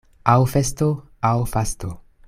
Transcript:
Aŭ festo, aŭ fasto.